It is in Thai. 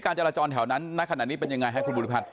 การจราจรแถวนั้นณขนาดนี้เป็นอย่างไรครับคุณบุริภัณฑ์